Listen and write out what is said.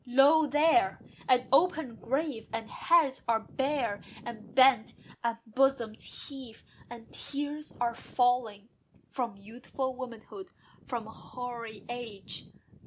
Lo! there, an open grave! and heads are bare, And bent; and bosoms heave, and tears are falling From youthful womanhood, from hoary age.